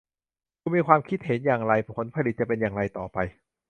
คุณมีความคิดเห็นอย่างไร ผลผลิตจะเป็นอย่างไรต่อไป